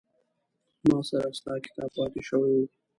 زما سره ستا کتاب پاتې شوي وه